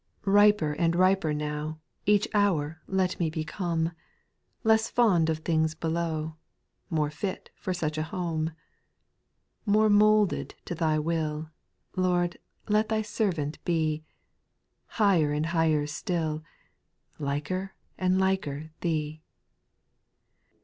6. Kiper and riper now, Each hour let me become. Less fond of things below. More fit for such a home. 6, More moulded to Thy will, Lord, let thy servant be. Higher and higher still, Liker and liker Thee.